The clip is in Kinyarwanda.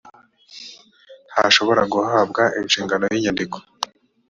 ntashobora guhabwa inshingano y inyandiko